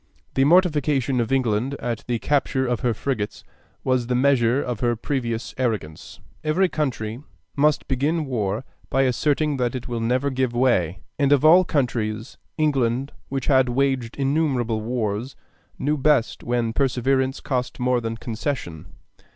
The mortification of England at the capture of her frigates was the measure of her previous arrogance.... Every country must begin war by asserting that it will never give way; and of all countries England, which had waged innumerable wars, knew best when perseverance cost more than concession.